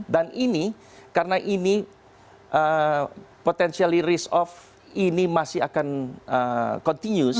dan ini karena ini potensi risk off ini masih akan continues